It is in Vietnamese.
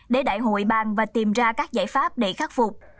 để đại hội bàn và tìm ra các giải pháp để khắc phục